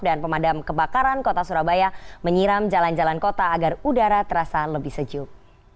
dan pemadam kebakaran kota surabaya menyiram jalan jalan kota agar udara terasa lebih sejuk